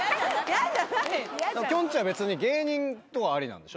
きょんちぃは別に芸人とはありなんでしょ？